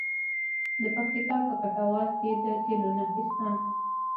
د پکتیکا په کټواز کې د تیلو نښې شته.